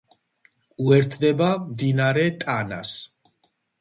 უერთდება მდინარე ტანას.